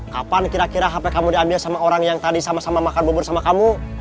kapan kira kira apa yang kamu diambil sama orang yang tadi sama sama makan bubur sama kamu